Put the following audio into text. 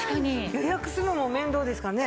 予約するのも面倒ですからね。